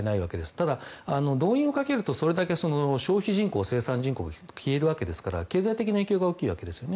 ただ、動員をかけるとそれだけの消費人口生産人口が消えるわけですから経済的な影響が大きいわけですね。